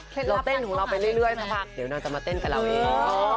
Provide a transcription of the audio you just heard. เราเต้นของเราไปเรื่อยสักพักเดี๋ยวนางจะมาเต้นกับเราเอง